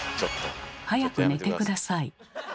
早く寝て下さい。